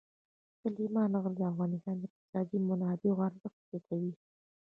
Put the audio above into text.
سلیمان غر د افغانستان د اقتصادي منابعو ارزښت زیاتوي.